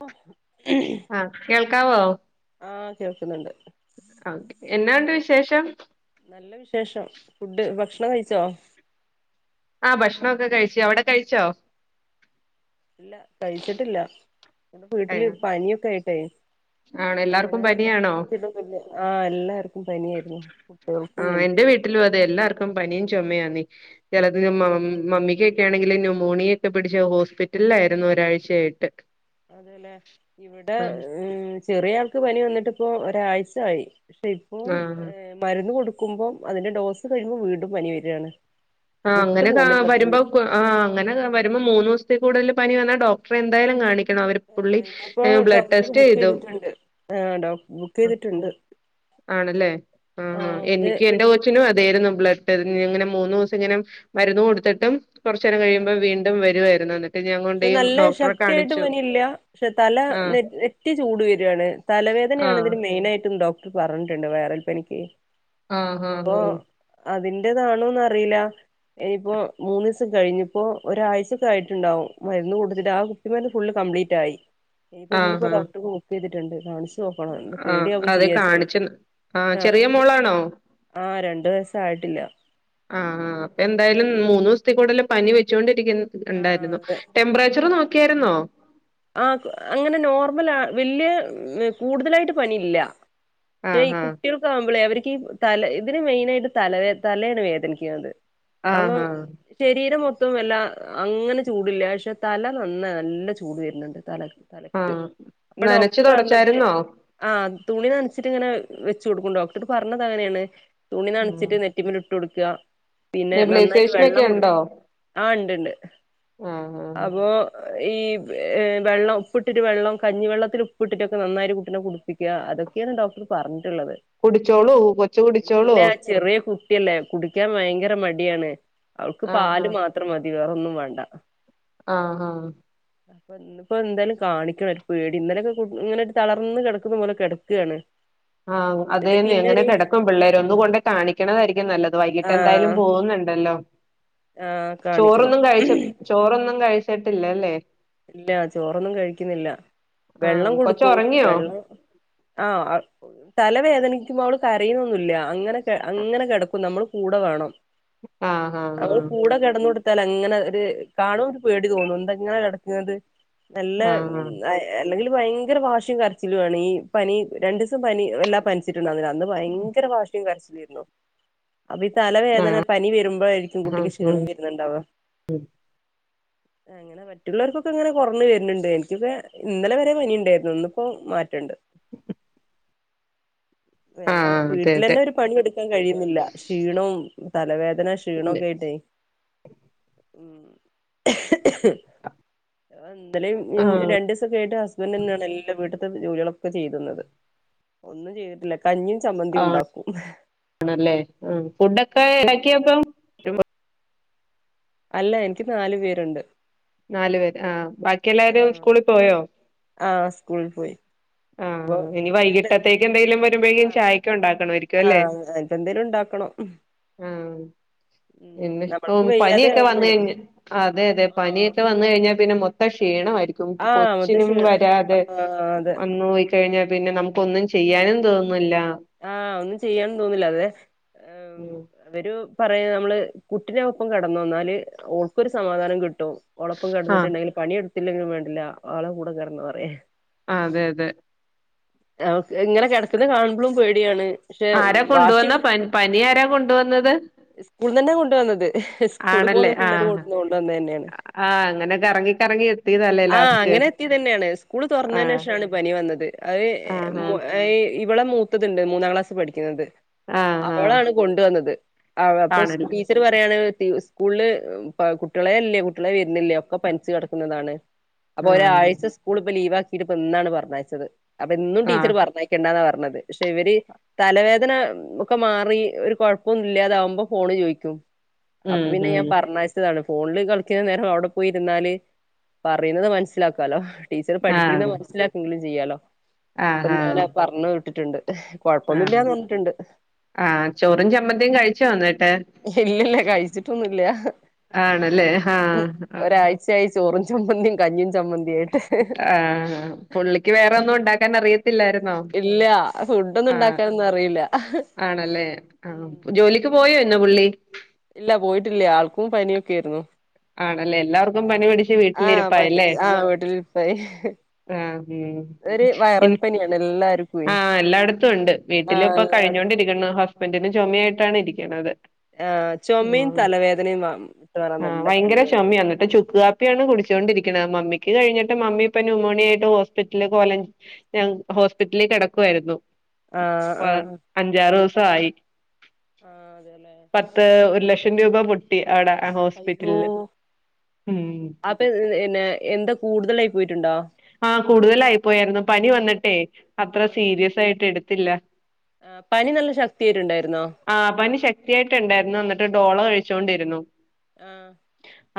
അ ക്കാവോ? ആ കേൾക്കുന്നുണ്ട്. ഒക്കെ എന്നാണ്ട് വിശേഷം? നല്ല വിശേഷം ഫുഡ് ഭക്ഷണം കഴിച്ചോ? ആ ഭക്ഷണൊക്കെ കഴിച്ചു അവിടെ കഴിച്ചോ? ല്ല കഴിച്ചിട്ടില്ല. വീട്ടില് പനിയൊക്കെ ആയി [unintelligible] ആണ് എല്ലാർക്കും പനിയാണോ? ആഹ് എല്ലാർക്കും പനിയായിരുന്നു ആ കുട്ടികൾക്കും എന്റെ എനിക്കും വീട്ടിലും എല്ലാർക്കും അതെ എല്ലാർക്കും പനിയായിരുന്നു പനിയും ചുമയാ നീ ചെലത് ആഹ് മമ്മിക്ക്ക്കൊണെങ്കിൽ നുമോണിയൊക്കെ പിടിച്ച് ഹോസ്പിറ്റലിലായിരുന്നു ഒരാഴ്ചയായിട്ട്. അതെലെ ഇവിടെ ആഹ് ഹ് ചെറിയ ആൾക്ക് പനി വന്നിട്ട് ഇപ്പോ ഒരാഴ്ച ആയി. പക്ഷെ ഇപ്പം ആഹ് ഏ മരുന്ന് കൊടു ക്കുമ്പോ അതിന്റെ ഡോസ് കഴിയുമ്പോ വീണ്ടും പനി വെരാണ്. ആ അങ്ങനെ കാ വരുമ്പോ ആ അങ്ങനെ വരുമ്പോ മൂന്ന് ദിവസ ത്തി കൂടൽ പനി വന്നാ ഡോക്ടറെ എന്തായാലും കാണി ആ ഇന്നിപ്പോ ഡോക്ടർ ബുക്ക് ചെയ്തു ചെയ്തിട്ടുണ്ട് ആ ഡോ ബുക്ക് ചെയ്തിട്ടുണ്ട് ആണല്ലേ ആ ഹാ ആഹ് എന്തേ എനിക്ക് വി എന്റെ കൊച്ചിനും അതായിരുന്നു ബ്ലഡ് ഇങ്ങനെ മൂന്ന് ദിവസം ഇങ്ങനെ മരുന്നു കൊടുത്തിട്ടും കുറച്ച നേരം കഴിയുമ്പോള്‍ വീണ്ടും വരുയിരുന്നു [unintelligible] ഇപ്പോ നല്ല ശക്തിയായിട്ട് പനിയില്ല പക്ഷെ തല ആഹ് ന നെറ്റി ചൂട് വരുയാണ് ആഹ് തലവേദനയാണതിന് മെയിൻ ആയിട്ടുണ്ടോ പറഞ്ഞിട്ടുണ്ട് വൈറൽ പനിക്ക് ആഹ് ആഹ് ഹഹ എന്റതാണോന്ന് അറിയില്ല ഇനിയിപ്പോ മൂന്നു ദിവസം കഴിഞ്ഞപ്പോൊ ഒരാഴ്ചക്കെ ആയിട്ടുണ്ടാവും മരുന്ന് കൊടുത്തിട്ട് ആ കുപ്പി മരുന്ന് ഫുള് കംപ്ലീറ്റ് ആയി ഇത് ഇന്ന്‌ ആഹ് ഇപ്പൊ ആഹ് ഡോക്ടറ് [unintelligible] [unintelligible] നോക്കണം ഇത് ആഹ് പേടിയാവും അതെ ചെയ്യാച്ച കാണിച്ച് ആഹ് ചെറിയ മോളാണോ ആ രണ്ട് കൊറെ ദിവസയിട്ടില്ല ആ ആ അപ്പൊ എന്തായാലും മൂന്ന് ദിവസത്തേ കൂടുതൽ പനി വെച്ചോണ്ടി [unintelligible] ആഹ് ഉണ്ടായിരുന്നു ടെമ്പറേച്ചർ നോക്കിയായിരുന്നോ ആ അങ്ങനെ നോർമല വല്യ കൂടുതലായിട്ട് പനിയില്ല ശേ ആഹ് ആഹ് കുട്ടികൾക്ക ആകുമ്പോളേ അവർ ഇ തല ഇതിന് മെയിന ആായിട്ട് തല തലയാണ് വേദനിക്കുന്നത് അപ്പൊ ആഹ് ആഹ് ശരീരം മൊ വല്ല അങ്ങനെ ചൂടില്ല പക്ഷെ തല നന്ന നല്ല ചൂട് വര ണ്ട് തല ആഹ നനച്ചു ഡോക്ടർ പറഞ്ഞത് തുടച്ചായിരുന്നോ ആ തുണി നനച്ചിട്ടിങ്ങനെ വെച്ചു കൊടുക്കും ഡോക്ടർ പറഞ്ഞത് അങ്ങനെയാണ് തുണി നണച്ചിട്ട് നെിമ്പ ഇട്ട് കൊടുക്ക പിന്നെ നന്നായിട്ട് നെബുലൈസേഷനൊക്കെ വെള്ളം കൊടു ഉണ്ടോ ആ ഉണ്ട്ണ്ട് ആഹ് ആഹ് അപ്പൊ ഈ വെള്ളം ഉപ്പിട്ടിട്ട് വെള്ളം കഞ്ഞിവെള്ളത്തിൽ ഉപ്പിട്ടിട്ടൊക്കെ നന്നായിട്ട് കുട്ടിനെ കുടിപ്പിക്ക അതൊക്കെയാണ് ഡോക്ടർ പറഞ്ഞ കുടിച്ചോളൂ കൊച്ച് കുടിച്ചോളോ [unintelligible] കുടിക്കാൻ ഭയങ്കര മടിയാണ് അവൾക്ക് ആഹ് പാല് മാത്രം മതി വേറെ ഒന്നും വേണ്ട. ആ ആ അപ്പ ഇന്നിപ്പ എന്തായാലും കാണിക്കണം ഒര് പേടി ഇന്നലെക്കെ കു ഇങ്ങനെ ഒരു തളർന്ന് കെട്ക്കുന്ന പോലെ കെട്ക്കാണ്. ആ അതെന്നെ അങ്ങനെ കെടക്കും പിള്ളേര് ഒന്നുകൊണ്ടെയ് കാണിക്ക്ണതായിരിക്കും നല്ലത് വൈകീട്ട് ആഹ് എന്തായാലും പോവ്ന്ന് ഇണ്ടല്ലോ? ആഹ് കാണിക്കണം ചോറൊന്നും കഴിച്ച ചോറൊന്നും കഴി ച്ചിട്ടല്ല അല്ലെ ഇല്ല ചോറൊന്നും കഴിക്ക്ന്നില്ല. ആഹ് വെള്ളം കൊച്ച് കൊടുക്കും ഉറങ്ങിയോ വെള്ളം ആ അവ തലവേദനിക്കുമ്പോ അവൾ കരയുന്നൊന്നുയില്ല. അങ്ങനെ അങ്ങനെ കെടക്കും. നമ്മൾ കൂടെ വേണം. ആഹ് ആഹ് അവൾ കൂടെ കെടന്ന് കൊട്ത്താലെ ഇങ്ങനെ ഒര് കാണും ഒരു പേടി തോന്നും എന്ത ഇങ്ങനെ കെട് ക്ക്ണത് നല്ല ആഹ് അയ് അല്ലെങ്കിൽ ഭയങ്കര വാശിയും കരച്ചിലും ആണ് ഈ പനി രണ്ടീസം പനി വല്ലാ പനിച്ചി ട്ട് ഇണ്ടാര്ന്നില്ല അന്ന് ഭയങ്കര വാശിയും കര തിർന്നോ? അപ്പ ഈ ആഹ് തലവേദന ആഹ് പനി വെരുമ്പഴായിരിക്കും ആഹ് കുട്ടിക്ക് ഉം ക്ഷീണം വെര്ന്നുണ്ടാവ. അങ്ങനെ പറ്റ മറ്റുള്ളവർക്കൊക്കെ ഇങ്ങനെ കൊർൺ വെര്ന് ഇണ്ട്. എനിക്കൊക്കെ ഇന്നലെ വരെ പനി ഇണ്ടായിരുന്നു. ഇന്നിപ്പോ മാറ്റ ഇണ്ട്. ഇപ്പം നമ്മളെ ആഹ് അതെ അതെ വീട്ടിലെന്നെ ഒരു പണി എടുക്കാൻ കഴിയുന്നില്ല ക്ഷീണും തലവേദ ദന പിന്നെ ക്ഷീണയൊക്കെ ആയിട്ടേ ഉം ഇന്നലെയും ആഹ് രണ്ടു ദിവസം ആയിട്ട് ഹസ്ബൻറ് തന്നെയാണ് എല്ലാ വീട്ടും ജോലികളൊക്കെ ചെയ്തുന്നത്. ഒന്നും ചെയ്തിട്ടില്ല. കഞ്ഞിയും ആ ചമ്മന്തിയും ഉണ്ടാക്കും ആണല്ലേ ഫുഡൊക്കെ ഉണ്ടാ ഉം ക്കിയോ ഇപ്പം? അല്ല എനിക്ക് നാലു പേരുണ്ട്. നാലു പേര്. ആ ബാക്കി എല്ലാരും ആഹ് സ്കൂളിൽ പോയോ? ആഹ് സ്കൂളിൽ പോയി ആ അപ്പൊ ഇനി വൈകിട്ടത്തേക്ക് എന്തെിലും വരുമ്പോഴക്കും ആഹ് ചായയൊക്കെ ഉണ്ടാക്കണമായിരിക്കുഅല്ലേ? ഇപ്പ എന്തേലും ഉണ്ടാക്കണം ആ ഉം നമ്മൾക്ക് വിമ്മിഷ്ടംവും വയ്യാതെ പനിയൊക്കെ വന്ന് ആവുമ്പേ കഴിഞ്ഞ അതെ അതെ പ ആഹ് ഞ്ഞ പിന്നെ മൊത്തംക്ഷീണമായി. ആഹ് കൊച്ചിനും മുത്തശ്ശി വരാതെ ആഹ് അതെ വന്നു പോയി കഴിഞ്ഞാൽ പിന്നെ നമുക്ക് ഒന്നും ചെയ്യാനും തോന്നു ആ ഒന്നും ചെയ്യാനുതോന്നില്ല. അതെ ഉം അവരു പറയ നമ്മള് കുട്ടിനൊപ്പം കിടന്നു. എന്നാല് ഓൾക്കൊരു സമാധാനം കിട്ടും. ഓളപ്പം ആഹ് കിടന്നിട്ടുണ്ടെങ്കിൽ പണി എടുത്തില്ലെങ്കിലും വേണ്ട ല്ല ആളെ കൂടെ കറന്ന് പറയാേ ആ അതെ അ ഇങ്ങനെ കിടക്കന്ന് കാണുമ്പോഴും പോയി് എടെയാണ് പക്ഷെ ആരാ വാശി കൊണ്ടുവന്ന പനി പനി ആരാ കൊണ്ടുവന്നത് സ്കൂളന്ന് തന്നെ കൊണ്ട വന്നത് സ്കൂള ആണല്ലേ പോവുന്ന പിള്ളേർ ആഹ് കൊണ്ടുവന്നു കൊണ്ട വന്നത് തന്നെയാണ് ആഹ് അങ്ങനെ കറങ്ങി കറങ്ങി എത്തിയതല്ലേ ആഹ ലാസ്റ്റ് അങ്ങനെ എത്തിയത് തന്നെയാണ് സ്കൂള് തുറന്നതിനു ആഹ് ശേഷാണ് പനി വന്നത് അത് ആഹ് [unintelligible] ഇവിടെ മൂത്തത്ണ്ട് മൂന്നാം ക്ലാസ് പഠിക്കുന്നത് ആഹ് ആഹ് അവളാണ് കൊണ്ടുവന്നത് അവ അപ്പൊ ആണല്ലേ ടീച്ചർ പറയാണ് സ്കൂളില് കുട്ടികളെ അല്ലേ കുട്ടികളെ വരുന്നില്ലേ ഒക്കെ പനിച്ചു കിടക്കുന്നതാണ് അപ്പൊ ആഹ് ഒരാഴ്ച സ്കൂൾ ഇപ്പ ലീവ്ക്കി ഇതിപ്പോം എന്നാണ് പറഞ്ഞയച്ചത് അപ്പൊന്നും ടീച്ചർ ആഹ് പറഞ്ഞയക്കണ്ടന്ന പറ പറഞ്ഞത് പക്ഷെ ഇവര് തലവേദന ഒക്കെ മാറി ഒരു കുഴപ്പൊന്നും ഇല്ലാതാവുമ്പോ ഫോണ് ചോദിക്കും അപ്പൊ ഉം പിന്നെ ഞാൻ ഉം പറഞ്ഞയച്ചതാണ് ഫോണിൽ കളിക്കുന്ന നേരം അവിടെ പോയിരുന്നാല് പറയുന്നത് മനസ്സിലാക്കാലോ ടീച്ചർ പഠിപ്പിക്കുന്നത് ആഹ് മനസിലാക്കെങ്കിലും ചെയ്യാലോ അപ്പൊഎന്തിനാ പറഞ്ഞ ട്ടിട്ടുണ്ട് ആഹ ആഹ ചോറും ചമ്മന്തിയും കഴിച്ചു എന്നിട്ടെ ഇല്ലില്ല കഴിച്ചിട്ടൊന്നുമില്ല ആണല്ലേ ആഹ ഒരാഴ്ചയായി ചോറും ചമ്മന്തിയും കഞ്ഞിയും ചമ്മന്തിയായിട്ട് ആഹ് പുള്ളിക്ക് വേറെ ഒന്നും ഉണ്ടാ ക്കാനറി ഇല്ല ഫുഡ് ഒന്നും ആഹ് ഉണ്ടാക്കാനൊന്നും അറിയില്ല ആണല്ലേ ആ ഉം. ജോലിക്ക് പോയോ പുള്ളി ഇല്ല പോയിട്ടില്ല ആൾക്കും പനിയൊക്കെ ആയിരുന്നു ആണല്ലേ എല്ലാർക്കും പനി പിടിച്ച് ആ പനി വീട്ടിലിരിപ്പായല്ലേ ആ വീട്ടിലിരിപ്പായി ആ ഒരു വൈറൽ പനിയാണ് എല്ലാർക്കുവേ ആ എല്ലായിടത്തും ഉണ്ട് ആ വീട്ടില ഇപ്പ എല്ലായിടത്തും കഴിഞ്ഞോണ്ടിരിക്ക ഹസ്ബന്റിന് കഴിഞ്ഞുചോ പനിയായിട്ടാണ് ഇരിക്കണത്. ആ ചുമയും ഉം തലവേദനയും വ [unintelligible] ആഹ് നല്ല ഭയങ്കര പണിയാണ് ചൊമ ന്നിട്ട് ചുക്ക് കാപ്പിയാണ് കു ചോണ്ടിരിക്ക മമ്മിക്ക് കഴിഞ്ഞിട്ട് മമ്മി ഇപ്പ ന്യുമോണിയ ആയിട്ട് ഹോസ്പിറ്റലിൽ ഹോസ്പിറ്റലിലേ കിടക്കുവായിരുന്നു ആഹ് പ്പൊ ആഹ് അഞ്ചാറ് ദിവ സായി ആഹ് അതെല്ലേ പത്ത് ഒരു ലഷ രൂപ പൊട്ടി ആടെ ആ അയ്യോ അപ്പൊ എൻ ന്നാ എന്താ കൂടുതലായ് പോയിട്ടുണ്ടോ ആഹ് കൂടുതലായി പോയാരുന്നു പനി വന്നിട്ടെ അത്ര ആഹ് സീരിയസ് ആയിട്ട് എട്- ത്തില്ല ആഹ് പനി നല്ല ശക്തിയായിട്ടുണ്ടായി- ആഹ് പനി ശക്തിയായിട്ടിണ്ടായിരുന്നു എന്നിട്ട് ഡോ- ഡോളൊ കഴിച്ചോണ്ടിരുന്നു ആഹ്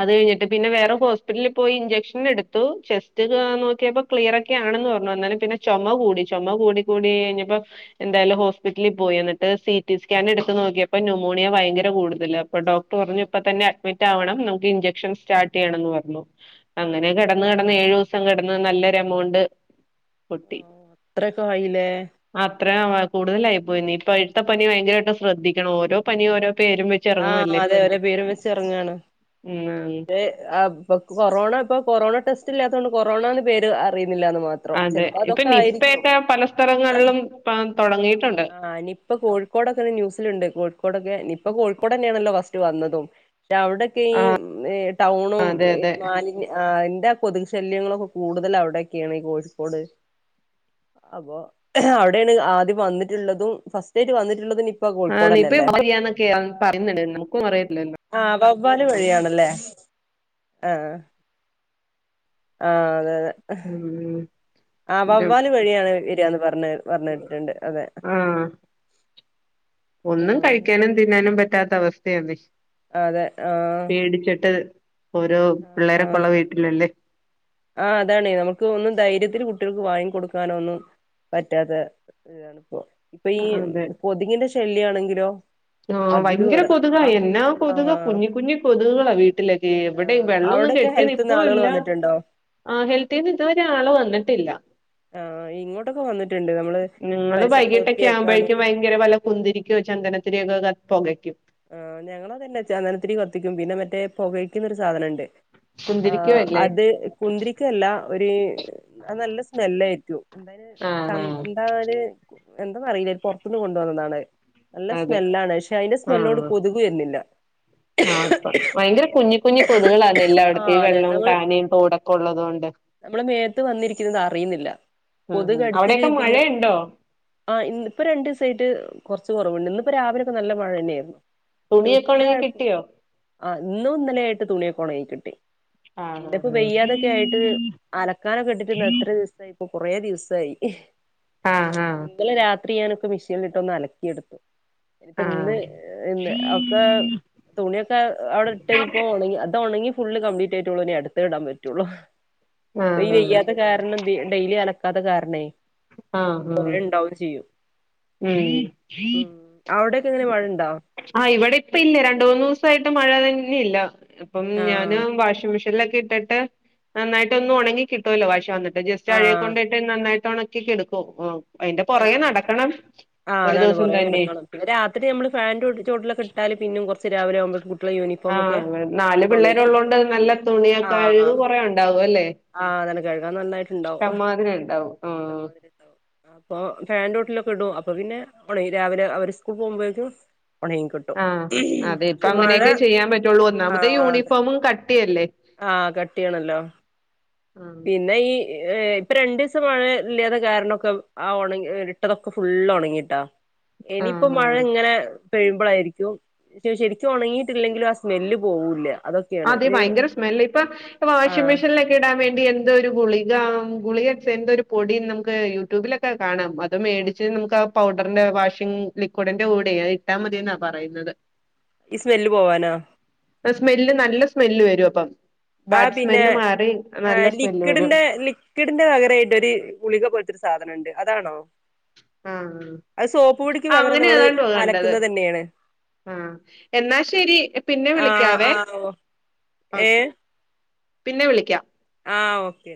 അത് കഴിഞ്ഞിട്ട് പിന്നെ വേറെ ഹോസ്പിറ്റലിൽ പോയി ഇഞ്ചെക്ഷൻ എട്- ത്തു ചെസ്റ്റ് ഉം ക നോക്കിയപ്പം ക്ലിയറൊക്കെ ആണെന്ന് പറഞ്ഞു എന്നാലും പിന്നെ ചൊമ കൂടി ചുമ കൂടി കൂടി കഴിഞ്ഞപ്പൊ എന്തായാലും ഹോസ്പിറ്റലിൽ പോയി എന്നിട്ട് സി- ടിസ്കാൻ എടുത്ത് നോക്കിയപ്പൊ ന്യുമോണിയ ഭയങ്കര കൂടുതല അപ്പൊ ഡോക്ടർ പറഞ്ഞു ഓഹ് ഇപ്പ തന്നെ അട്- അഡ്മിറ്റ് ആവണം നമുക്ക് ഇൻജെക്ഷൻ സ്റ്റാർട്ട് ചെയ്യണന്ന് പറഞ്ഞു ആഹ് അങ്ങനെ കെടന്ന് കെടന്ന് ഏഴു സം കെടന്ന് നല്ലൊരു എമൗണ്ട് പൊട്ടി അത്രയൊക്കെ ആയിലേ ത്രേ ആവ- കൂടുതലായിപോയിന്നെ ഇപ്പഴത്ത പനി ഭയങ്കരായിട്ടും ശ്രദ്ധിക്കണം ഓരോ പനി ഓരോ പേരും വെച്ച് ആഹ് ഇറങ്ങുവല്ലേ അതെ ഓരൊപേരും വെച്ച് ഇറങ്ങാണ് ഉം ദെ ആഹ് കൊറോണ ഇപ്പൊ കൊറോണ ടെസ്- ല്ലാത്തോണ്ട് കൊറോണാന്ന് പേര് അറി- ന്നില്ലാന്ന്മാത്രം അതെ ഇപ്പൊ ചിലപ്പതക്കകാരിക്കും നിപ്പയൊക്കെ പല സ്ഥലങ്ങളിലും പ തൊടങ്ങിയിട്ടുണ്ട് ആഹ് നിപ്പ കോഴിക്കോടെകെന് ന്യൂസിലിണ്ട് കോഴിക്കോടൊക്കെ നിപ്പ കോഴിക്കോടന്ന്യാണല്ലോ വന്നതും രവിടക്കിയി ആഹ് ടൗണും അതെ ഇ അതെ മാലിന്യ- ആഹ് എന്റെ ആ കൊതുക് ശല്യങ്ങളൊക്കെ കൂടുതൽ അവിടെക്കെയാണ് ഈ കോഴിക്കോട് അപ്പൊ അവിടേണ് ആദ്യം വന്നിട്ടുള്ളതും ഫസ്റ്റ് ആയിട്ട് വന്നിട്ടുള്ളതുംനിപ- ആഹ് നിപ്പ [unintelligible] പറയുന്നുണ്ട് നമക്കൊന്നു അറിയല്ലല്ലോ വാല് വഴിയാണ് അല്ലേ ആഹ് ആഹ് അതെ അതെ ഉം ഉം ആ പിന്നെ വവ്വാല് വഴിയാണ് വരികന്ന് പറ പിന്നെ പറഞ്ഞിട്ടിട്ടുണ്ട് അതെ ആഹ് ഒന്നും ആഹ് കഴിക്കാനും തിന്നാനും പറ്റ ഇട്ടാത്ത അവസ്ഥല്ല അതെ ആഹ് ഓരോ പിള്ളേരൊക്കെ ഉള്ള വീട്ടിലല്ലേ ആ അതാണ് നമുക്ക് ഒന്നും ധൈര്യത്തില് കുട്ട്യൾക്ക് വാങ്ങി കൊടുക്കാന ഒന്നും പറ്റാത്ത ഇതാണ്പ്പോ ഇപ്പൊ ആ, ഈ അതെ കൊതി കിന്റെ ഷാ ശല്യാണെങ്കിലോ ആഹ് അതിലും ഭയങ്കര ഏറെ കൊതുകാ ആഹ് എന്നാ ആഹ് കൊതുുക കുഞ്ഞി കുഞ്ഞി കൊതുകുകളാ വീട്ടിലൊക്കെ എവിടെ ആഹ് വെള്ളൊന്നും അവിടൊക്കെ കെട്ടീ ഹെൽത്ത്ന്ന് ഇപ്പ ആളുകൾ ഇല്ല വന്നിട്ടുണ്ടോ ആ ഹെൽത്തിന്ന് ഇതുവരെരാള് വന്നിട്ടില്ല ആഹ് ഇങ്ങോട്ടൊക്കെ വന്നിട്ടുണ്ട് നമ്മള് നിങ്ങള് പരിസരം വൈകിട്ടൊക്കെ വൃത്തിയാക്കാണ് ആവുമ്പോഴേക്കും ഭയങ്കര വല്ല കുന്തിരിക്കൊ ചന്ദന പൊകയ്ക്കും ആ ഞങ്ങതന്നെ ചന്ദനത്തിരി കൊത്തിക്കും പിന്നെ മറ്റേ പുകഴയ്ക്കുന്നൊരു സാധനംണ്ട് ആ കുന്തിരിക്കോല്ലേ അത് കുന്തിരിക്കല്ല ഒരു നല്ല നെല്ലായിരിക്കു ആഹ് ആഹ് എന്തായല് എന്താന്നറിയില്ല പൊറത്തു നിന്ന് കൊണ്ട് വന്നതാണ് നല്ല അതെ സ്മെല്ലാണ് പക്ഷെ അതിന്റെ ല്ലോട് കൊതുക് വരന്നില്ല ആ പ്പ ഭയങ്കര കുഞ്ഞ കുഞ്ഞി കൊതുകുകളല്ല എല്ല അവിടത്തെ ആഹ് ഈ അതെ വെള്ളവും നമ്മള് കാനയും തൂടൊക്കെ ഉള്ളത് കൊണ്ട് നമ്മളെ മേത്ത് വന്നിരിക്കുന്നത് അറിയുന്നില്ല ഉം കൊതുക് ഹ കടിച്ചിട്ട് അവിടെക്കെ പിന്നെ മഴയുണ്ടോ കുറച്ച് കുറവുണ്ട് ഇപ്പ രാവില ഒെ നല്ല മഴ തന്നെയായിരുന്നു തുണിയൊക്കെ ഉണെങ്കി കിട്ടിയോ ആഹ് ഇന്നുംന്നലൊയിട്ട് തുണിയൊക്കെ ഒന്നങ്ങികിട്ടി ആഹ് പിന്നെ ഇപ്പോ വെയ്യാതൊക്കെ ആയിട്ട് അലക്കാനൊക്കെ ഇട്ടിട്ടിന്ന് എത്ര ദിവസമായിപ്പൊ കൊറെ ദിവസായി ആഹ് ആഹ് ന്നലെ രാത് തുണി ഞാനൊക്കെ മെഷീനല്ട്ട് ഒന്ന് അലക്കിയെടുത്തു പ്പൊ ഇന്ന് ആഹ് ന്നെ ഒക്കെ തുണിയൊക്കെ അവിടെ ഇട്ടരിപ്പ ഉണി അത് ഉണങ്ങി ഫുള് കംപ്ലീറ്റ് ആയിട്ടേള്ളൂ അടുത്തെ ഇടാൻ പറ്റുള്ളു. ആഹ് വെയ് ആഹ് ആഹ് ആഹ് വെയ്യാത്ത കാരണം ഡെയ്ലി അല ത് കാരണെ ആഹ് കുറെ ആഹ് ഉണ്ടാവുകയും ചെയ്യും. ഉം മ്മ് അവിടൊക്കെ എങ്ങനെ മഴ ഉണ് ആഹ് ഇവിടെ ഇപ്പ ഇല്ല, രണ്ടുമൂന്ന് ദിവസായി ട്ട് മഴ തന്നെയില്ല. ഇപ്പം ഞാന് ആഹ് വാഷിംഗ് മിഷീ ടിലൊക്കെ ഇട്ടിട്ട് നന്നായിട്ടൊന്ന് ഉണങ്ങി കിട്ടുവല്ലോ വാഷ് വന്ന് ജസ്റ്റ് അഴയെ ആഹ് കൊണ്ടിട്ട് നന്നായി ട്ടൊണക്കി ക്കിട്ട് എടുക്കും ഓ ആ ആഹ അതാണ് ദിവസം കുറെ തന്നെ നടക്കണം. പിന്നെ രാത്രി നമ്മള് ഫാൻ ചോട്ടിലോക്കെ ഇട്ടാലും പിന്നേം കൊറ ച്ച് രാവിലെയാവുമ്പ ആഹ് നാല് പിള്ളേര് കിട്ടും ഉള്ളോണ്ട് നല്ല തുണിയ കഴുക് ആഹ് കൊറേ ഉണ്ടാവുല്ലേ? ആഹ് അതാണ് കഴുകാൻ നന്നായിട്ടുണ്ടാവും ഉണ്ടാവും ആഹ് ഇഷ്ടം പോലെ ഇണ്ടാവും ആ അപ്പൊ ഫാൻ [unintelligible] ഇടോ അപ്പൊ പിന്നെ രാവിലെ അവര് സ്കൂൾ പോകുമ്പോഴേക്കും ഒണങ്ങി കിട്ടും ങാ അതെപ്പോ പക്ഷെ മഴ അങ്ങനെയൊക്കെ ചെയ്യാൻ പറ്റുള്ളൂ. ഒന്നാമതെ യൂണിഫോമും കട്ട് ങാ കട്ടിയാണല്ലോ. ആഹ് പിന്നെ ഈ ഏ ഇപ്പരണ്ടു സം മഴ ഇല്ലാതെ കാരണക്കെ ആ ഉണങ്ങി ഇട്ടതൊക്കെ ഫുള്ള് ഉണങ്ങിട്ടോ. ഇനിയിപ്പോ ആഹ് ആഹ് മഴ ഇങ്ങനെ വഴുമ്പഴായിരിക്കും. ശരിക്കും ഉണങ്ങിട്ടില്ലെങ്കിലും ആ സ്മെല്ല് പോവില്ല. അതെ ഭയങ്കര സ്മെല്ല്, ഇപ്പ ആ വാഷിംഗ് മെഷീൻലൊക്കെ ഇടാൻ വേണ്ടി [unintelligible] എന്തോരു ഗുളിക, ഗുളിക വെച്ച് എന്തൊ ഒരു പൊടി നമുക്ക് യൂട്യൂബിലൊക്കെ കാണാം, അത് മേടിച്ച് നമുക്ക് ആ പൗഡറിന്റെ വാഷിംഗ് ലിക്വിഡിന്റെ കൂടെയ് അത് ഇട്ടാ മതിന്നാ പറയുന്നത്. ഈ സ്മെല്ല് പോവാനാ. ഇല്ല നല്ല സ്മെല്ല് വെരുവപ്പം ആഹ് പിന്നെ ഏഹ് സ്മെല്ല് വരും ലിക്വിഡിന്റെ ലിക്വിഡിന്റെ പകരായിട്ട് ഒര് ഗുളിക പോൽത്തൊരു സാധന്ണ്ട്. അതാണോ? ങാ. അത് സോപ്പ് പൊടിക്ക് പകരം അങ്ങനെ നമ്മള് ആണോ കണ്ടത്. അലക്കുന്നത് തന്നെയാണ് ങാ എന്നാ ശരി. പിന്നെ ആ വിളിക്കാവേ. ആ ഓ ഓക്കെ. പിന്നെ വിളിക്കാം. ങാ ഓക്കെ.